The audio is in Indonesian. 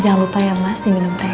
jangan lupa ya mas diminum teh